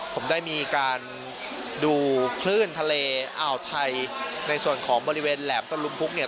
ผมได้มีการดูคลื่นทะเลอ่าวไทยในส่วนของบริเวณแหลมตะลุมพุกเนี่ย